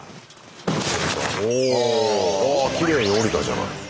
あきれいに降りたじゃない。